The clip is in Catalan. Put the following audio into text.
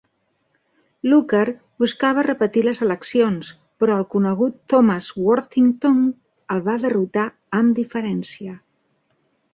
Looker buscava repetir les eleccions, però el conegut Thomas Worthington el va derrotar amb diferència.